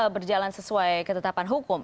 berjalan sesuai ketetapan hukum